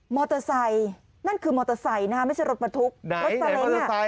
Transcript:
มอเตอร์ไซค์นั่นคือมอเตอร์ไซค์นะฮะไม่ใช่รถประทุกรถสาเล้ง